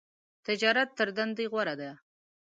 تجارت تر دندی غوره ده .